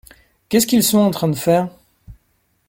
Qu’est-ce qu’ils sont en train de faire ?